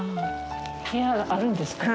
部屋があるんですか？